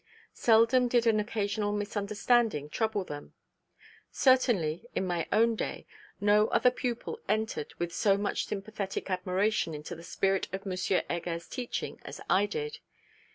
Seldom did an occasional misunderstanding trouble them. Certainly, in my own day, no other pupil entered with so much sympathetic admiration into the spirit of M. Heger's teaching as I did.